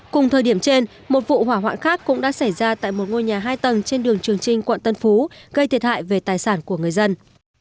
cùng thời điểm trên một vụ hỏa hoạn khác cũng đã xảy ra tại một ngôi nhà hai tầng trên đường trường trinh quận tân phú gây thiệt hại về tài sản của người dân